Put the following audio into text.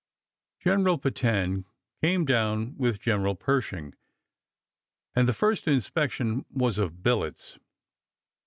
General Petain came down with General Pershing, and the first inspection was of billets.